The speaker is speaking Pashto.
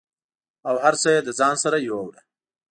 او هر څه یې د ځان سره یووړه